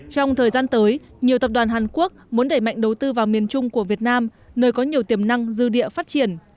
trong thời gian tới nhiều tập đoàn hàn quốc muốn đẩy mạnh đầu tư vào miền trung của việt nam nơi có nhiều tiềm năng dư địa phát triển